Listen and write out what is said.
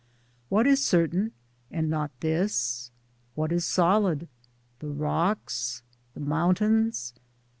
What is certain, and not this ? What is solid? — the rocks? the mountains